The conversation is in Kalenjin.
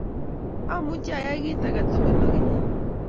Amuchi ayai kit age tugul ak inye